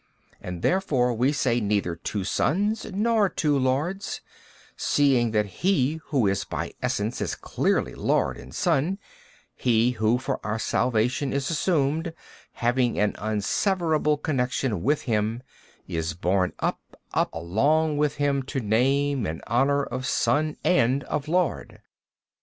And therefore we say neither two sons nor two lords: seeing that He Who is by Essence is clearly Lord and Son, he who for our salvation is assumed, having an unseverable connection with Him, is borne up up along with Him to name and honour of son and of lord.